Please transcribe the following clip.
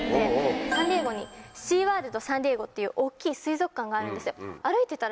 サンディエゴにシーワールド・サンディエゴっていう大っきい水族館があるんですよ。